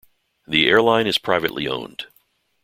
The airline is privately owned.